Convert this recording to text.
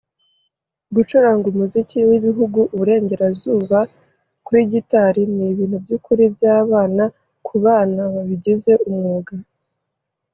Gucuranga umuziki wibihuguuburengerazuba kuri gitari ni ibintu byukuri byabana kubana babigize umwuga